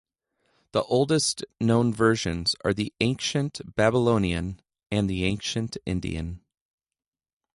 The oldest known versions are the ancient Babylonian and the ancient Indian.